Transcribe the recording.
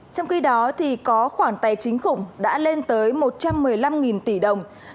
trong khi đó có khoản tài chính khủng đã lên tới một trăm một mươi năm tỷ đồng